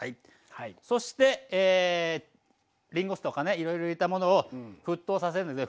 そしてりんご酢とかねいろいろ入れたものを沸騰させるんですね。